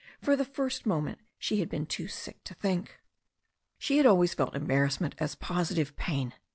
For the first moment she had been too sick to think. She had always felt embarrassment as positive pain.